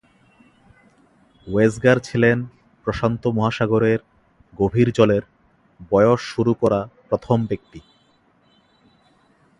ওয়েসগার ছিলেন প্রশান্ত মহাসাগরের গভীর জলের "বয়স" শুরু করা প্রথম ব্যক্তি।